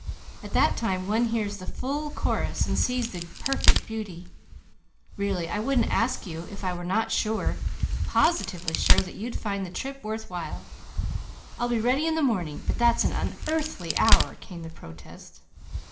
At that time one hears the full chorus, and sees the perfect beauty. Really, I wouldn't ask you, if I were not sure, positively sure, that you'd find the trip worth while." "I'll be ready in the morning, but that's an unearthly hour!" came the protest.